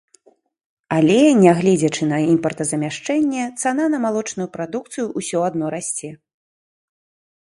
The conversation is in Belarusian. Але, нягледзячы на імпартазамяшчэнне, цана на малочную прадукцыю ўсё адно расце.